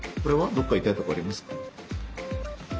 どっか痛いとこありますか？